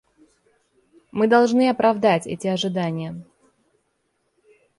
Мы должны оправдать эти ожидания.